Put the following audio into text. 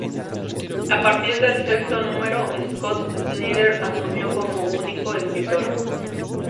A partir del sexto número, Scott Snyder asumió como único escritor.